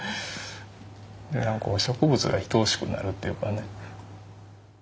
植物がいとおしくなるっていうかね。